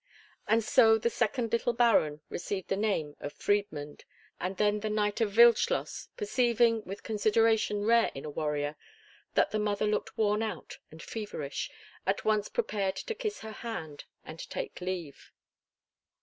And so the second little Baron received the name of Friedmund, and then the knight of Wildschloss, perceiving, with consideration rare in a warrior, that the mother looked worn out and feverish, at once prepared to kiss her hand and take leave.